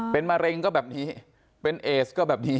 เป็นมะเร็งก็แบบนี้เป็นเอสก็แบบนี้